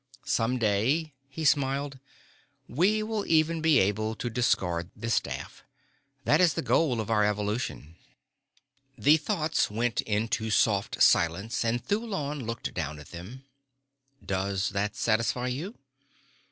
Some day," he smiled, "we will even be able to discard the staff. That is the goal of our evolution." The thoughts went into soft silence and Thulon looked down at them. "Does that satisfy you?"